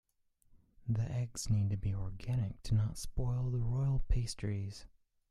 The eggs need to be organic to not spoil the royal pastries.